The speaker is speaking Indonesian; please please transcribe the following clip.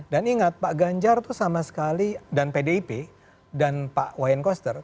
dan ingat pak ganjar itu sama sekali dan pdip dan pak wayan koster